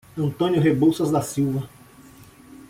Antônio Reboucas da Silva